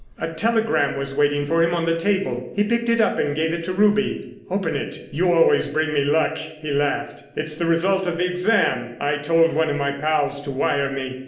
A telegram was waiting for him on the table. He picked it up and gave it to Ruby. "Open it, you always bring me luck," he laughed. "It's the result of the exam. I told one of my pals to wire me.